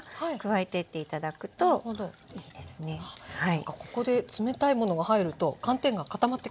そうかここで冷たいものが入ると寒天が固まってきちゃう？